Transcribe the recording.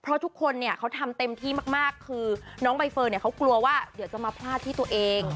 เพราะทุกคนเนี่ยเขาทำเต็มที่มากคือน้องใบเฟิร์นเนี่ยเขากลัวว่าเดี๋ยวจะมาพลาดที่ตัวเอง